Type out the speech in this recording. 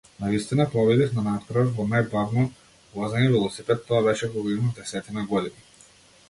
Навистина победив на натпревар во најбавно возење велосипед, тоа беше кога имав десетина години.